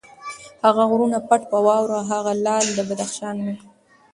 هغه غرونه پټ په واورو، هغه لعل د بدخشان مي